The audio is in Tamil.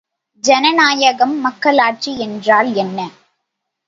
ஜனநாயகம் மக்களாட்சி என்றால் என்ன?